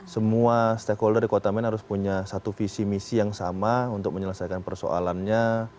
semua stakeholder di kota medan harus punya satu visi misi yang sama untuk menyelesaikan persoalannya